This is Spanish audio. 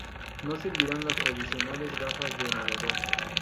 No servirán las tradicionales gafas de nadador.